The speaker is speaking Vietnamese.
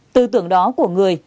tư tưởng đó của người